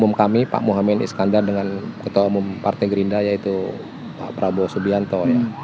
umum kami pak muhamad iskandar dengan ketua umum partai gerindra yaitu pak prabowo subianto